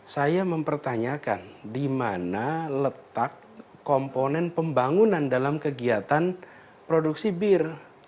saya mempertanyakan di mana letak komponen pembangunan dalam kegiatan produksi bir